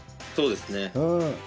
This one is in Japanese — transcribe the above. そうですね。